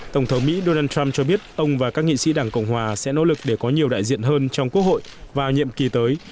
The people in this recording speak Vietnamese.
tổng thống mỹ donald trump cho biết ông và các nghị sĩ đảng cộng hòa sẽ nỗ lực để có nhiều đại diện hơn trong quốc hội vào nhiệm kỳ tới